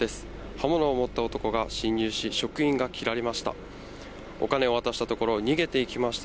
刃物を持った男が侵入し、職員が切られました。